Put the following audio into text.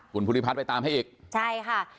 คุณภูริพัฒน์ไปตามให้อีกใช่ค่ะ